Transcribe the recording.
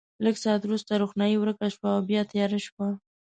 لږ ساعت وروسته روښنايي ورکه شوه او بیا تیاره شوه.